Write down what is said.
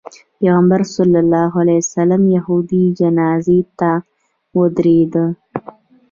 پیغمبر علیه السلام یهودي جنازې ته ودرېده.